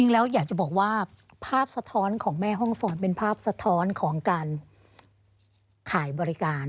แต่ว่าที่แม่ห้องสอนนี้